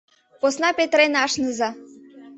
— Посна петырен ашныза!